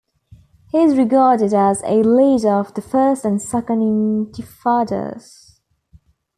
He is regarded as a leader of the First and Second Intifadas.